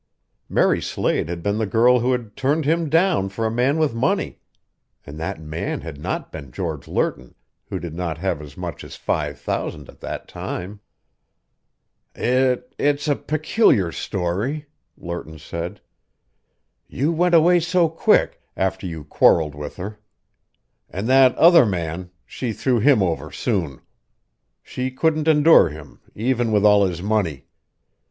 Mary Slade had been the girl who had turned him down for a man with money and that man had not been George Lerton, who did not have as much as five thousand at that time. "It it's a peculiar story," Lerton said. "You went away so quick after you quarreled with her. And that other man she threw him over, soon. She couldn't endure him, even with all his money.